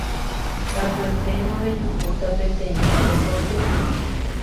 Katueténgo rejuhúta peteĩ tape pyahu